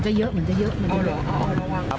โอ๊ยตลาดเหมือนจะเยอะ